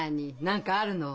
何かあるの？